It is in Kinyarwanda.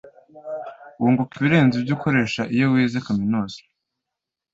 Wunguka ibirenze ibyo ukoresha iyo wize kaminuza